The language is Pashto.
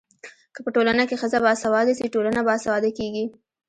که په ټولنه کي ښځه باسواده سي ټولنه باسواده کيږي.